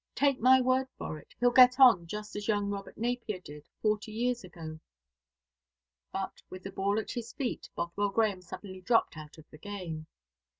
Take my word for it, he'll get on just as young Robert Napier did forty years ago." But, with the ball at his feet, Bothwell Grahame suddenly dropped out of the game.